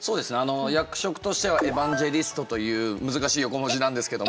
役職としてはエバンジェリストという難しい横文字なんですけど。